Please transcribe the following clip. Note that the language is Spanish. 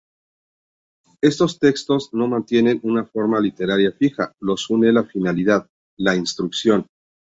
Estos textos no mantienen una forma literaria fija, los une la finalidad: la instrucción.